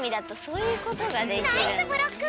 ナイスブロック！